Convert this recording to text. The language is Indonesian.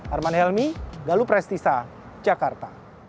harman helmy galu prestisa jakarta